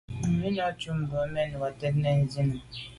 Numi nɔ́’ cup mbʉ̀ a mɛ́n Watɛ̀ɛ́t nɔ́ɔ̀’ nswɛ́ɛ̀n í lá.